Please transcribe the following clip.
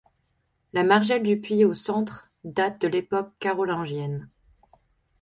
La margelle du puits au centre date de l'époque carolingienne.